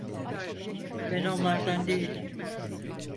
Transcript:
Ben onlardan değilim.